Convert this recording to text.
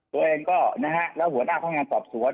ตัวเองก็นะฮะแล้วหัวหน้าพนักงานสอบสวน